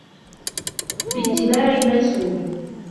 بِاتِّبَاعِ الْمَيْسُورِ